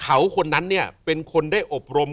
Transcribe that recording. เขาคนนั้นเป็นคนได้อบรม